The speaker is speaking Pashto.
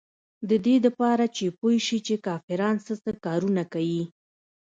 د دې دپاره چې پوې شي چې کافران سه سه کارونه کيي.